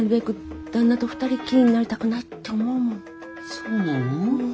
そうなの？